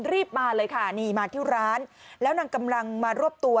รีบมาเลยค่ะนี่มาที่ร้านแล้วนำกำลังมารวบตัว